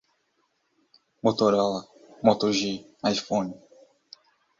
Motorola, MotoG, Iphone